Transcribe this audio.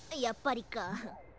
やっぱりか。